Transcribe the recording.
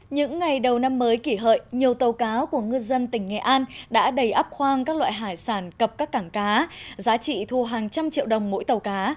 những ngày đầu năm mới kỷ hợi nhiều tàu cá của ngư dân tỉnh nghệ an đã đầy ấp khoang các loại hải sản cập các cảng cá giá trị thu hàng trăm triệu đồng mỗi tàu cá